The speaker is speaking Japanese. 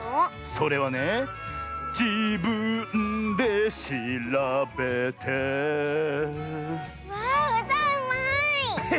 それはね「じぶんでしらべて」わあうたうまい！